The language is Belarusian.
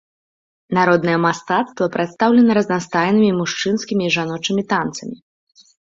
Народнае мастацтва прадстаўлена разнастайнымі мужчынскімі і жаночымі танцамі.